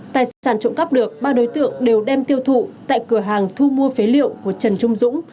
tài sản trộm cắp được ba đối tượng đều đem tiêu thụ tại cửa hàng thu mua phế liệu của trần trung dũng